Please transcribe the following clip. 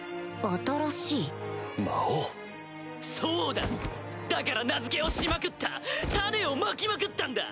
そうだだから名付けをしまくった種をまきまくったんだ！